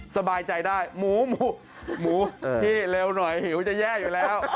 สบายใจได้หมูหมูที่เร็วหน่อยหิวจะแย่อยู่แล้ว